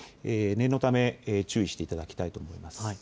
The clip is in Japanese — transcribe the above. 念のため注意していただきたいと思います。